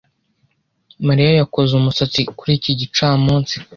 Mariya yakoze umusatsi kuri iki gicamunsi.